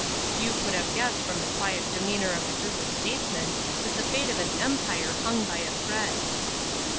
Few could have guessed from the quiet demeanour of the group of statesmen that the fate of an Empire hung by a thread.